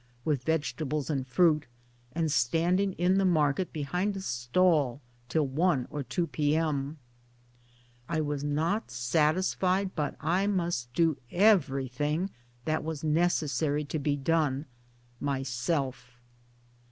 with vegetables and fruit, and standing in the market behind a stall till i or 2 p.m. ; I was not satisfied but I must do everything that was necessary to be done, myself.